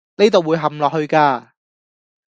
呢度會陷落去㗎